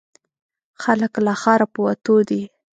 خلک له ښاره په وتو دي.